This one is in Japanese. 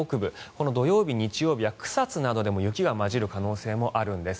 この土曜日、日曜日は草津などでも雪が交じる可能性もあるんです。